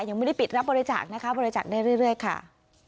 ยังไม่ได้ปิดรับบริจาคนะคะบริจาคได้เรื่อยค่ะ